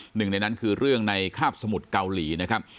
หนึ่งในนั้นคือเรื่องในคาบสมุทรเกาหลีนะครับ